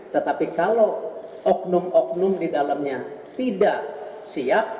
tetapi kalau oknum oknum di dalamnya tidak siap